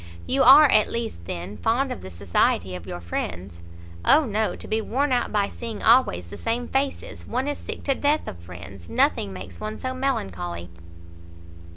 "You are, at least, then, fond of the society of your friends?" "O no! to be worn out by seeing always the same faces! one is sick to death of friends; nothing makes one so melancholy."